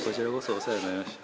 お世話になりました。